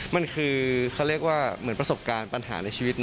มันคือเขาเรียกว่าเหมือนประสบการณ์ปัญหาในชีวิตนะ